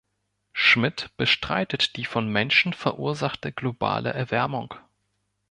Schmitt bestreitet die vom Menschen verursachte globale Erwärmung.